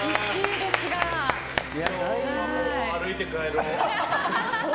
今日、歩いて帰ろう。